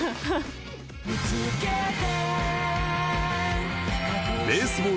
「見つけて」